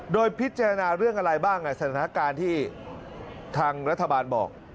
โดยพิจารณาเรื่องอะไรบ้างสถานการณ์ที่ทางรัฐบาลบอก